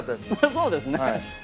そうですね。